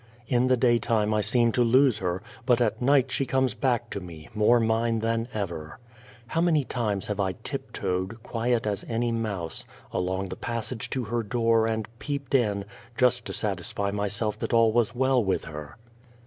In the daytime I seem to lose her, but at night she comes back to me, more mine than ever. How many times I have tip toed, quiet as any mouse, along the passage to her door and peeped in, just to satisfy myself that all was well with her.